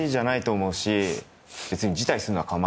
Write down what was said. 別に。